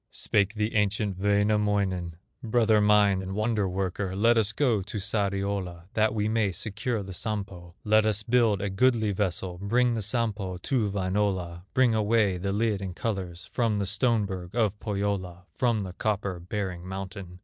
Spake the ancient Wainamoinen: "Brother mine, and wonder worker, Let us go to Sariola, That we may secure the Sampo; Let us build a goodly vessel, Bring the Sampo to Wainola, Bring away the lid in colors, From the stone berg of Pohyola, From the copper bearing mountain.